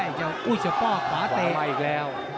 อุ้ยเฉียบพ่อขวาเตะ